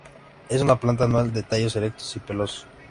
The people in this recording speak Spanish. Es una planta anual de tallos erectos y pelosos.